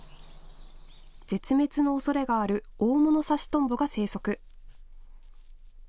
絶滅のおそれがあるオオモノサシトンボが生息。